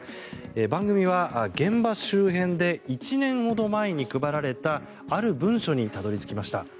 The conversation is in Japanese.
番組は現場周辺で１年ほど前に配られたある文書にたどり着きました。